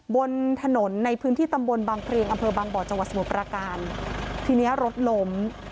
บนถนตร์ในพื้นที่ตำบลบางเพลงอำเภอบางบอดจังหวัดสมุนปราการทีนี้รถหลม